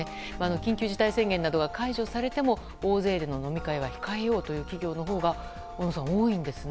緊急事態宣言などが解除されても大勢での飲み会は控えようという企業のほうが多いんですね。